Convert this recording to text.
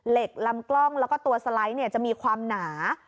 เหล็กลำกล้องแล้วก็ตัวสไลด์จะมีความหนา